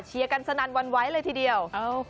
เชียร์กันสนันวันไหวเลยทีเดียว